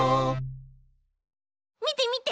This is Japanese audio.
みてみて！